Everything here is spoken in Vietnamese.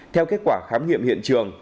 theo kết quả khám nghiệm hiện trường